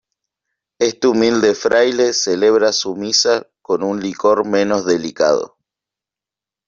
este humilde fraile celebra su misa con un licor menos delicado.